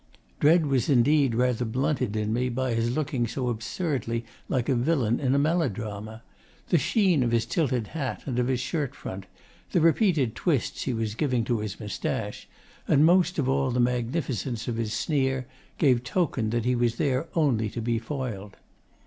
Dread was indeed rather blunted in me by his looking so absurdly like a villain in a melodrama. The sheen of his tilted hat and of his shirt front, the repeated twists he was giving to his moustache, and most of all the magnificence of his sneer, gave token that he was there only to be foiled.